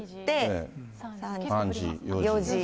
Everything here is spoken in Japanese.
３時、４時。